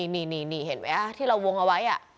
นี่ที่เราวงเอาไว้อะ